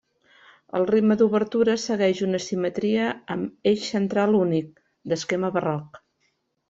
El ritme d'obertures segueix una simetria amb eix central únic, d'esquema barroc.